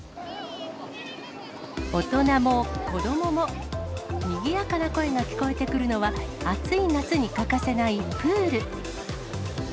大人も子どもも、にぎやかな声が聞こえてくるのは、暑い夏に欠かせないプール。